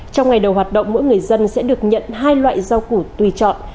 trong ngày đầu hoạt động mỗi người dân sẽ được nhận hai loại rau củ tùy chọn